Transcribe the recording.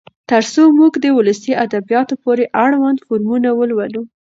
تر څو موږ د ولسي ادبياتو پورې اړوند فورمونه ولولو.